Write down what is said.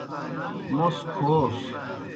موْس کَھوس۔